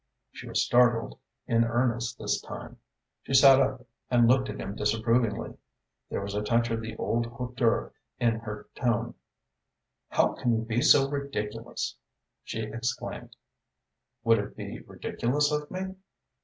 She was startled in earnest this time. She sat up and looked at him disapprovingly. There was a touch of the old hauteur in her tone. "How can you be so ridiculous!" she exclaimed. "Would it be ridiculous of me?"